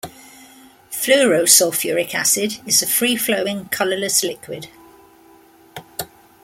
Fluorosulfuric acid is a free-flowing colorless liquid.